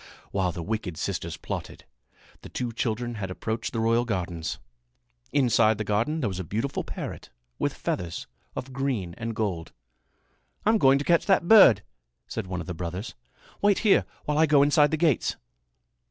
While the wicked sisters plotted, the two children had approached the royal gardens. Inside the garden there was a beautiful parrot with feathers of green and gold. "I'm going to catch that bird," said one of the brothers. "Wait here while I go inside the gates."